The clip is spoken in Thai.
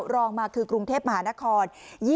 รองมาคือกรุงเทพมหานคร